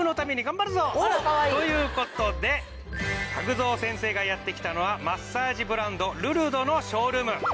「という事でパグゾウ先生がやって来たのはマッサージブランドルルドのショールーム」